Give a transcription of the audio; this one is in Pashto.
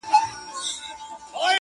ستا مين درياب سره ياري کوي.